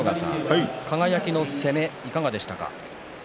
輝の攻め、いかがですか。